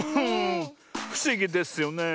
ふしぎですよね。